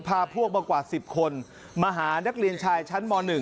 พาพวกมากว่า๑๐คนมาหานักเรียนชายชั้นม๑